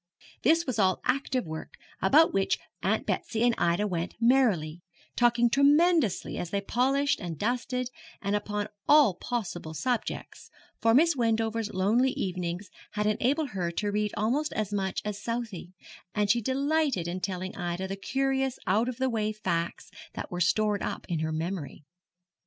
This was all active work, about which Aunt Betsy and Ida went merrily, talking tremendously as they polished and dusted, and upon all possible subjects, for Miss Wendover's lonely evenings had enabled her to read almost as much as Southey, and she delighted in telling Ida the curious out of the way facts that were stored up in her memory.